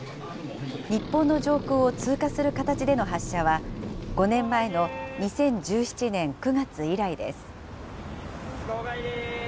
日本の上空を通過する形での発射は、５年前の２０１７年９月以来号外です。